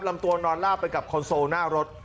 ลำตัวนอนลาบไปกับคอนโซลหน้ารถ